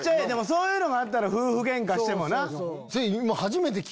そういうのがあったら夫婦ゲンカしてもな。